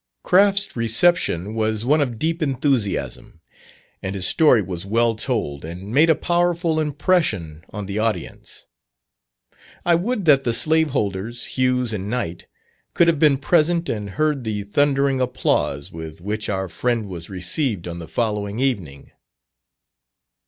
Craft's reception was one of deep enthusiasm, and his story was well told, and made a powerful impression on the audience. I would that the slaveholders, Hughes and Knight, could have been present and heard the thundering applause with which our friend was received on the following evening.